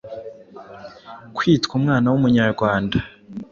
Kwitwa umwana w’Umunyarwanda.